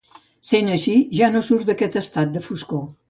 Sent així, ja no surt d'aquest estat de foscor.